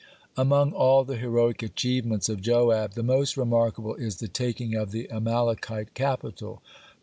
Among all the heroic achievements of Joab, the most remarkable is the taking of the Amalekite capital.